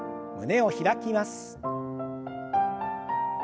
胸を開きます。